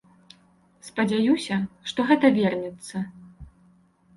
Спадзяюся, што гэта вернецца.